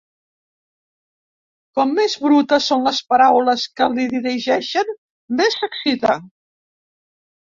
Com més brutes són les paraules que li dirigeixen més s'excita.